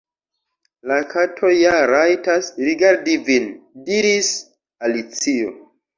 "La Kato ja rajtas_ rigardi vin," diris Alicio. "